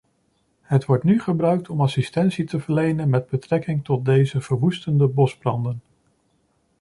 Het wordt nu gebruikt om assistentie te verlenen met betrekking tot deze verwoestende bosbranden.